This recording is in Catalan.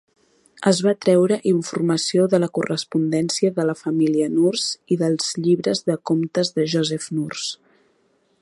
Es va treure informació de la correspondència de la família Nourse i dels llibres de comptes de Joseph Nourse.